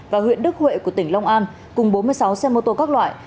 và huyện đức huệ của tỉnh long an cùng bốn mươi sáu xe mô tô các loại